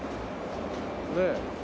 ねえ。